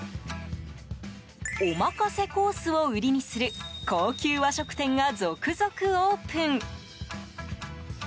おまかせコースを売りにする高級和食店が続々オープン。